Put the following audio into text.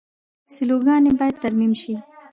سیلوګانې باید ترمیم شي.